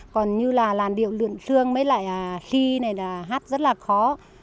còn như là làn điệu lượn sơ lương với lại là ly này là hát rất là khó